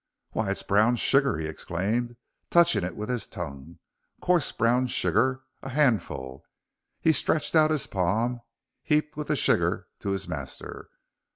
"Why, it's brown sugar!" he exclaimed, touching it with his tongue, "coarse brown sugar a handful." He stretched out his palm heaped with the sugar to his master.